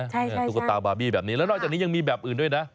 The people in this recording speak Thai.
ตุ๊กตาบาร์บี้แบบนี้แล้วนอกจากนี้ยังมีแบบอื่นด้วยนะ